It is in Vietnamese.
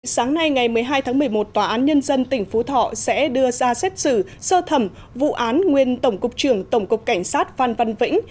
sáng nay ngày một mươi hai tháng một mươi một tòa án nhân dân tỉnh phú thọ sẽ đưa ra xét xử sơ thẩm vụ án nguyên tổng cục trưởng tổng cục cảnh sát phan văn vĩnh